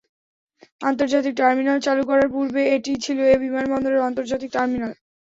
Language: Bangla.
আন্তর্জাতিক টার্মিনাল চালু করার পূর্বে এটিই ছিল এ বিমানবন্দরের আন্তর্জাতিক টার্মিনাল।